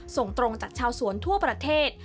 ส่งตรงจากชาวสวนทั่วประเทศ